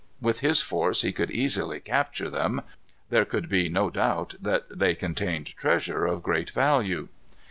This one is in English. With his force he could easily capture them. There could be no doubt that they contained treasure of great value.